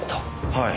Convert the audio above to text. はい。